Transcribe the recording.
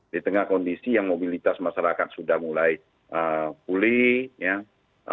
di tengah kondisi yang mobilitas masyarakat sudah mulai pulih